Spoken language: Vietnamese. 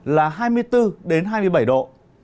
là hai mươi bốn hai mươi bảy độ